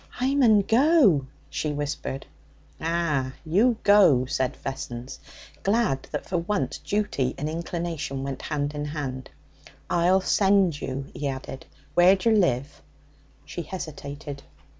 'I mun go!' she whispered. 'Ah! You go,' said Vessons, glad that for once duty and inclination went hand in hand. 'I'll send you,' he added. 'Where d'yer live?' She hesitated.